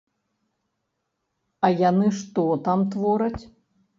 А яны што там твораць.